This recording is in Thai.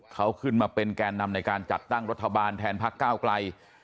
เขาขึ้นมาเป็นแกนนำในการจัดตั้งรัฐบาลแทนพักก้าวไกล